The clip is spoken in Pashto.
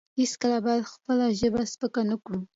هیڅکله باید خپله ژبه سپکه نه کړو.